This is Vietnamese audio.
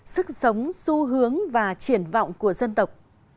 sức sống xu hướng và triển vọng của dân tộc